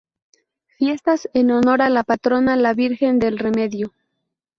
Fiestas en honor a la patrona, la Virgen del Remedio.